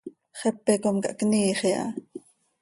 Xepe com cahcniiix iha.